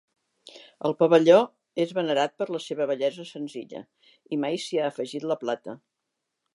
El pavelló és venerat per la seva bellesa senzilla i mai s'hi ha afegit la plata.